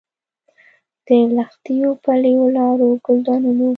د لښتیو، پلیو لارو، ګلدانونو